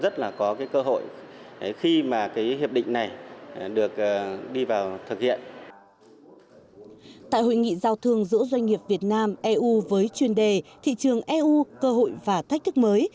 tại hội nghị giao thương giữa doanh nghiệp việt nam eu với chuyên đề thị trường eu cơ hội và thách thức mới